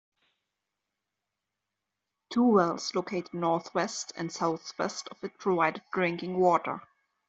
Two wells located northwest and southwest of it provided drinking water.